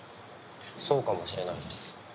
そうかもしれないです。